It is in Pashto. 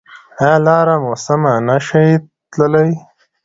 ایا لاره مو سمه نه شئ تللی؟